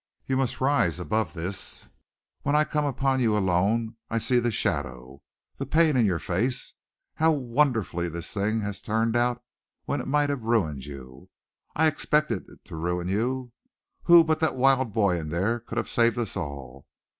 "You must rise above this. When I come upon you alone I see the shadow, the pain in your face. How wonderfully this thing has turned out when it might have ruined you! I expected it to ruin you. Who, but that wild boy in there could have saved us all?